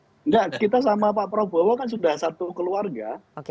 enggak kita sama pak prabowo kan sudah satu keluarga